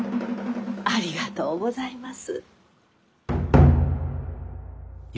ありがとうございます。